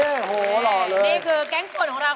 น้องเราค่ะน้องแม็กซ์น้องตุ๋น